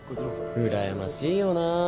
うらやましいよな。